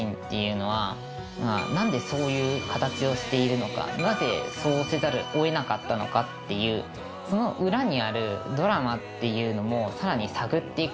なんでそういう形をしているのかなぜそうせざるを得なかったのかっていうその裏にあるドラマっていうのも更に探っていくと。